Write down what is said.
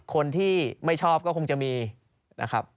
คนที่ไม่ชอบก็คงจะมีนะครับ